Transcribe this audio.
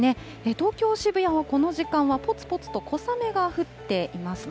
東京・渋谷はこの時間はぽつぽつと小雨が降っていますね。